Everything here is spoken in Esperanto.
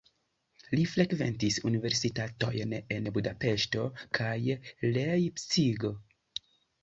Li frekventis universitatojn en Budapeŝto kaj Lejpcigo.